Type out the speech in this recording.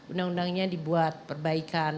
undang undangnya dibuat perbaikan